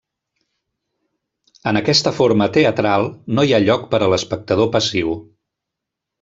En aquesta forma teatral, no hi ha lloc per a l'espectador passiu.